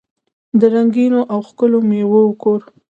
د رنګینو او ښکلو میوو کور.